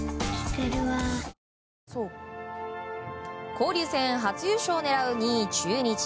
交流戦初優勝を狙う２位、中日。